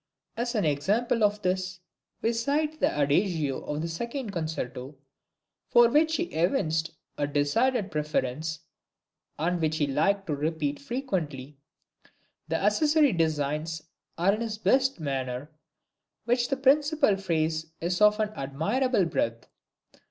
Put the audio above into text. As an example of this, we cite the Adagio of the Second Concerto, for which he evinced a decided preference, and which he liked to repeat frequently. The accessory designs are in his best manner, while the principal phrase is of an admirable breadth.